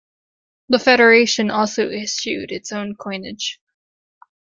The Federation also issued its own coinage.